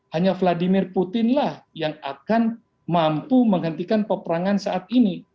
hanya vladimir putinlah yang akan mampu menghentikan peperangan saat ini